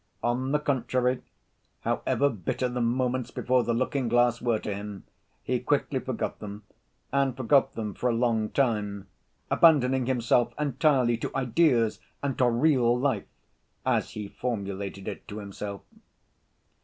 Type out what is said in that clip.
On the contrary, however bitter the moments before the looking‐glass were to him, he quickly forgot them, and forgot them for a long time, "abandoning himself entirely to ideas and to real life," as he formulated it to himself.